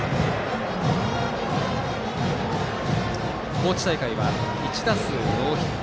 高知大会は１打数ノーヒット。